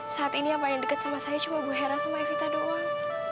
saat ini yang paling dekat sama saya cuma bu hera sama evita doang